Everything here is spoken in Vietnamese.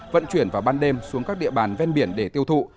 vận chuyển vào ban đêm xuống các địa bàn ven biển để tiêu thụ